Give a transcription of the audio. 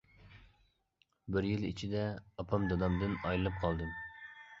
بىر يىل ئىچىدە ئاپام، دادامدىن ئايرىلىپ قالدىم.